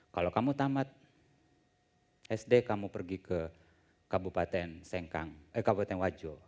kalau kamu tamat sd kamu pergi ke kabupaten wajo